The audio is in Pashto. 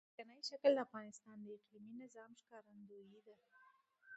ځمکنی شکل د افغانستان د اقلیمي نظام ښکارندوی ده.